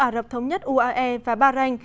ả rập thống nhất uae và bahrain